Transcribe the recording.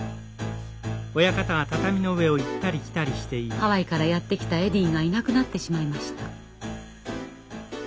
ハワイからやって来たエディがいなくなってしまいました。